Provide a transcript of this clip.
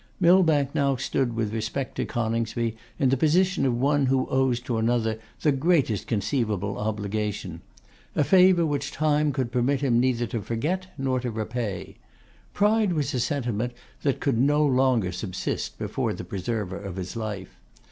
Millbank now stood with respect to Coningsby in the position of one who owes to another the greatest conceivable obligation; a favour which time could permit him neither to forget nor to repay. Pride was a sentiment that could no longer subsist before the preserver of his life.